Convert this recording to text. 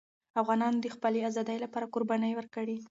افغانانو د خپلې آزادۍ لپاره قربانۍ ورکړې.